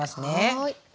はい。